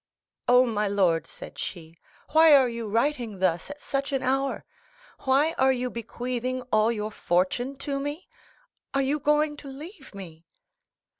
"Oh, my lord," said she, "why are you writing thus at such an hour? Why are you bequeathing all your fortune to me? Are you going to leave me?"